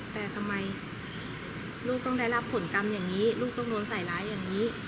แต่ทำไมลูกต้องได้รับผลกรรมอย่างนี้ลูกต้องโดนใส่ร้ายอย่างนี้